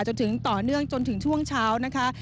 จนถึงต่อเนื่องจนถึงช่วงเช้านะคะ